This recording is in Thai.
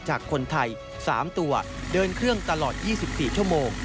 จากคนไทย๓ตัวเดินเครื่องตลอด๒๔ชั่วโมง